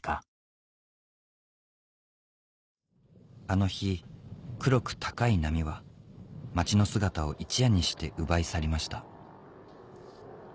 あの日黒く高い波は町の姿を一夜にして奪い去りました